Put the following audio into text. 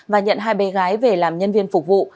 và nhận hai bé gái về làm nhân viên phục vụ